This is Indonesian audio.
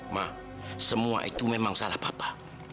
ma semua itu memang salah papa